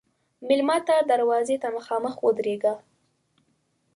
مېلمه ته دروازې ته مخامخ ودریږه.